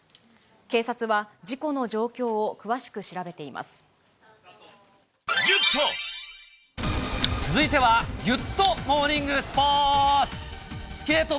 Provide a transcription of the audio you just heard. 警察は、事故の状況を詳しく調べ続いては、ギュッとモーニングスポーツ。